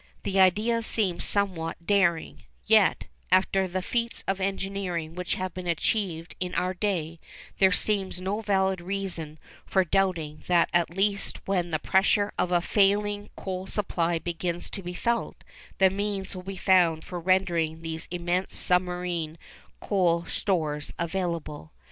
The idea seems somewhat daring; yet, after the feats of engineering which have been achieved in our day, there seems no valid reason for doubting that at least when the pressure of a failing coal supply begins to be felt, the means will be found for rendering these immense submarine coal stores available.